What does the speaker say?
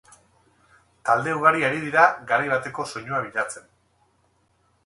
Talde ugari ari dira garai bateko soinua bilatzen.